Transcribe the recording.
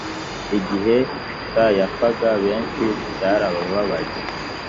igihe t yapfaga benshi byarababaje